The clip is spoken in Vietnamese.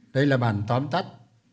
đây là bản tóm tắt